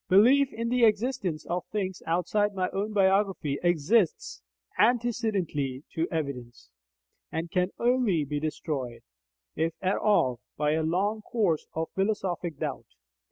Belief in the existence of things outside my own biography exists antecedently to evidence, and can only be destroyed, if at all, by a long course of philosophic doubt.